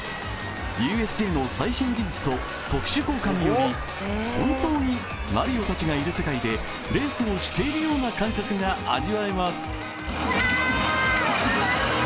ＵＳＪの最新技術と特殊効果により本当にマリオたちがいる世界でレースをしているような感覚が味わえます。